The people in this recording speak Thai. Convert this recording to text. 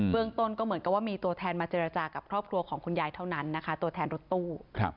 เรื่องต้นก็เหมือนกับว่ามีตัวแทนมาเจรจากับครอบครัวของคุณยายเท่านั้นนะคะตัวแทนรถตู้